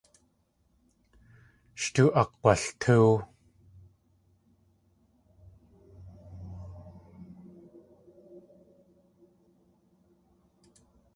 Sh tóo akg̲waltóow.